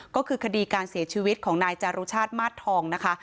ก็คือคดีการเสียชีวิตของนายจารุชาติมาสทองนะคะ